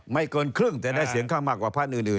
เกินครึ่งแต่ได้เสียงข้างมากกว่าพักอื่น